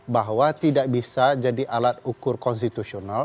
bahwa tidak bisa jadi alat ukur konstitusional